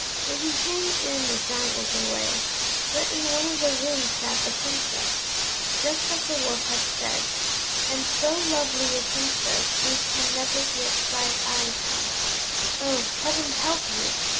When he came in the Giant was away, but in one of the rooms sat the Princess, just as the Wolf had said, and so lovely a princess Boots had never yet set eyes on. "Oh! heaven help you!